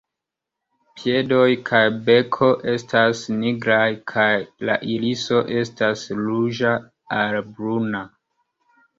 Piedoj kaj beko estas nigraj kaj la iriso estas ruĝa al bruna.